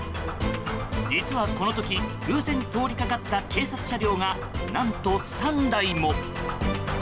実はこの時、偶然通りがかった警察車両が、何と３台も。